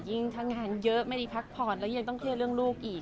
ยิ่งถ้างานเยอะไม่ได้พักผ่อนและยังต้องเคลื่อนเรื่องลูกอีก